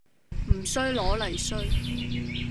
唔衰攞嚟衰